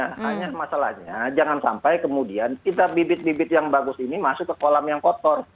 hanya masalahnya jangan sampai kemudian kita bibit bibit yang bagus ini masuk ke kolam yang kotor